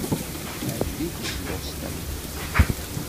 Teɛjeb-itent Boston.